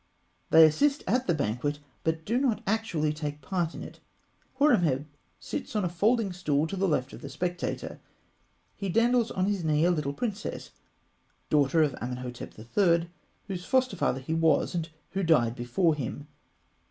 They assist at the banquet, but they do not actually take part in it. Horemheb sits on a folding stool to the left of the spectator. He dandles on his knee a little princess, daughter of Amenhotep III., whose foster father he was, and who died before him.